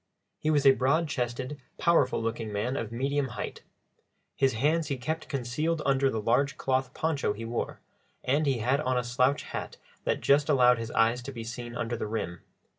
He was a broad chested, powerful looking man of medium height; his hands he kept concealed under the large cloth poncho he wore, and he had on a slouch hat that just allowed his eyes to be seen under the rim.